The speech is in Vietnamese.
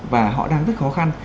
và họ đang rất khó khăn